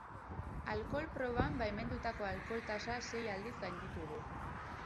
Alkohol-proban baimendutako alkohol-tasa sei aldiz gainditu du.